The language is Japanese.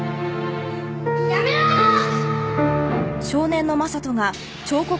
やめろーっ！